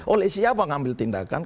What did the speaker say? oleh siapa yang ambil tindakan